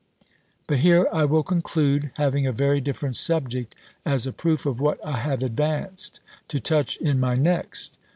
But here I will conclude, having a very different subject, as a proof of what I have advanced, to touch in my next.